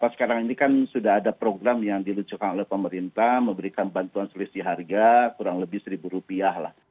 sekarang ini kan sudah ada program yang diluncurkan oleh pemerintah memberikan bantuan selisih harga kurang lebih seribu rupiah lah